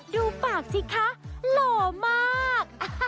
ดูปากสิคะหล่อมาก